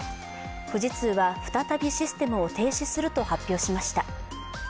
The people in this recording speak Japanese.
富士通は再びシステムを停止すると発表しました。